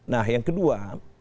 nah yang kedua